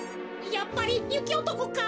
やっぱりゆきおとこか？